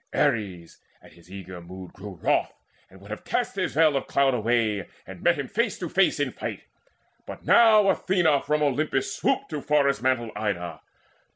Ares at his eager mood Grew wroth, and would have cast his veil of cloud Away, and met him face to face in fight, But now Athena from Olympus swooped To forest mantled Ida.